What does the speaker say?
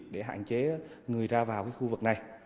để hạn chế người ra vào cái khu vực này